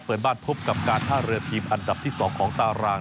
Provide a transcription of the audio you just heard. เปิดบ้านพบกับการท่าเรือทีมอันดับที่๒ของตาราง